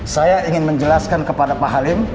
saya ingin menjelaskan kepada pak halim